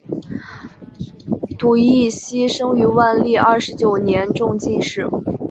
堵胤锡生于万历二十九年中进士。